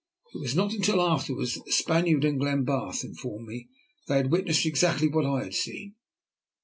It was not until afterwards that the Spaniard and Glenbarth informed me that they had witnessed exactly what I had seen.